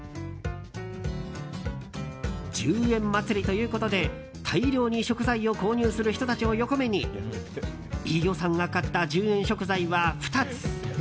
１０円祭りということで大量に食材を購入する人たちを横目に飯尾さんが買った１０円食材は２つ。